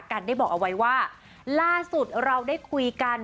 กันได้บอกเอาไว้ว่าล่าสุดเราได้คุยกัน